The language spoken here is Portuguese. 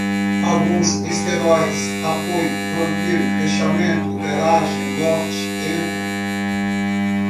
alguns, esteróides, apoio, vampiro, fechamento, garagem, morte, entre